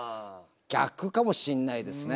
逆かもしんないですね